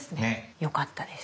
よかったです。